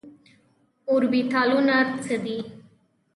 اوربيتالونه څه دي ؟